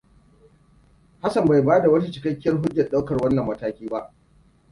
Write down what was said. Hassan bai bada wata cikakkiyar hujjar ɗaukar wannan mataki ba.